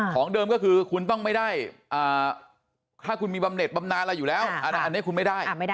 ของเดิมก็คือคุณต้องไม่ได้ถ้าคุณมีบำเน็ตบำนานอะไรอยู่แล้วอันนี้คุณไม่ได้